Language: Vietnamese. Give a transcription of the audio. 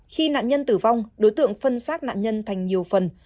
khi nạn nhân tử vong đối tượng phân xác nạn nhân thành nhiều phần